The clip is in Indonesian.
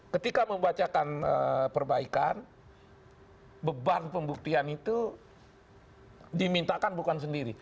ketika membacakan perbaikan beban pembuktian itu dimintakan bukan sendiri